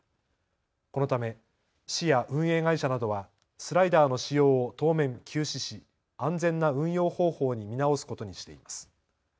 このため市や運営会社などはスライダーの使用を当面休止し安全な運用方法に見直すことにしています。